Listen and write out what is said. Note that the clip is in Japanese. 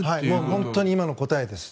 本当に今の答えです。